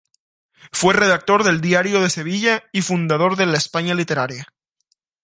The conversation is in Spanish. Fue redactor del "Diario de Sevilla" y fundador de "La España Literaria".